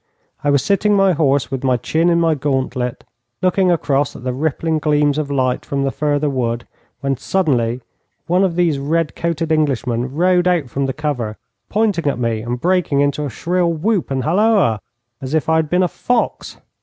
I was sitting my horse, with my chin in my gauntlet, looking across at the rippling gleams of light from the further wood, when suddenly one of these red coated Englishmen rode out from the cover, pointing at me and breaking into a shrill whoop and halloa as if I had been a fox.